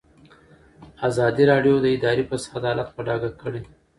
ازادي راډیو د اداري فساد حالت په ډاګه کړی.